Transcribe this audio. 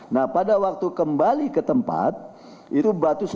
nah pada waktu kembali ke tempat itu batu selipi